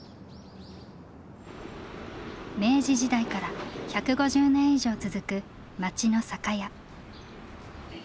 明治時代から１５０年以上続く町の酒屋。